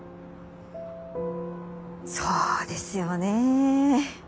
そうですよね。